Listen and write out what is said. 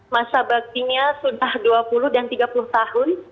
masa baktinya sudah dua puluh dan tiga puluh tahun